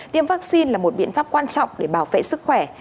tiêm vaccine là một biện pháp quan trọng để bảo vệ sức khỏe